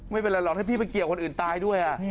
ไม่เป็นไรหรอกให้พี่ไปเกี่ยวคนอื่นตายด้วย